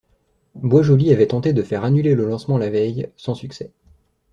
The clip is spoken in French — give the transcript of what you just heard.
Boisjoly avait tenté de faire annuler le lancement la veille, sans succès.